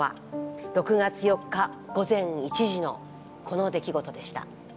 ６月４日午前１時のこの出来事でした。